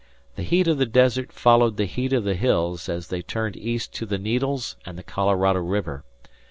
The heat of the desert followed the heat of the hills as they turned east to the Needles and the Colorado River.